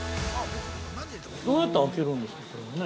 ◆どうやって開けるんですか、これはね。